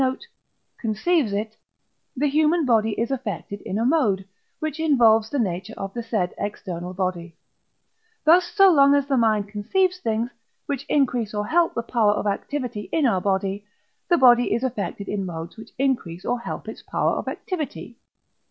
note), conceives it, the human body is affected in a mode, which involves the nature of the said external body; thus so long as the mind conceives things, which increase or help the power of activity in our body, the body is affected in modes which increase or help its power of activity (III.